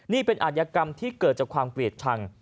นี่เป็นอาธิกรรมที่เกิดจากความเกลียดชัง